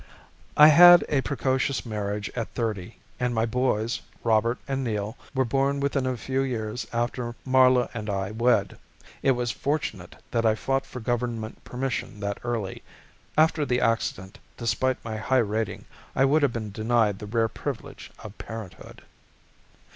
I had a precocious marriage at thirty and my boys, Robert and Neil, were born within a few years after Marla and I wed. It was fortunate that I fought for government permission that early; after the accident, despite my high rating, I would have been denied the rare privilege of parenthood.